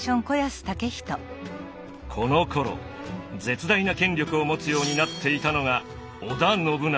このころ絶大な権力を持つようになっていたのが織田信長。